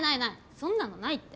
そんなのないって。